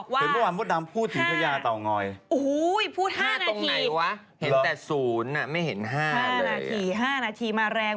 เห็นเมื่อวานมดดำพูดถึงทะเยาะเต่างอย